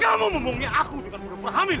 dan kamu memohonnya aku dengan budak budak hamil